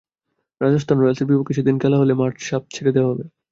রাজস্থান রয়্যালসের বিপক্ষে সেদিন খেলা হলে মাঠে সাপ ছেড়ে দেওয়া হবে।